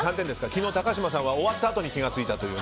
昨日、高嶋さんは終わったあとに気付いたと。